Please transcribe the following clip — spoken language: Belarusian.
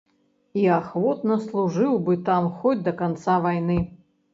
І ахвотна служыў бы там хоць да канца вайны.